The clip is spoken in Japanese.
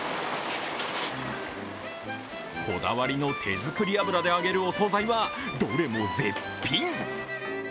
こだわりの手作り油で揚げるお総菜は、どれも絶品。